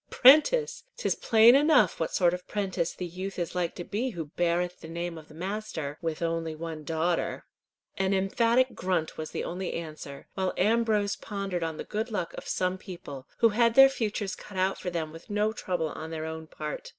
"Prentice! 'Tis plain enough what sort of prentice the youth is like to be who beareth the name of a master with one only daughter." An emphatic grunt was the only answer, while Ambrose pondered on the good luck of some people, who had their futures cut out for them with no trouble on their own part.